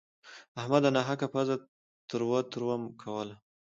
احمد ناحقه پزه تروه تروه کوله.